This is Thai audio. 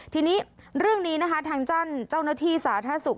ทีนี้เรื่องนี้นะคะทางด้านเจ้าหน้าที่สาธารณสุข